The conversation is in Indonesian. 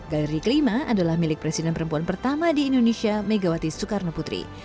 galeri kelima adalah milik presiden perempuan pertama di indonesia megawati soekarno putri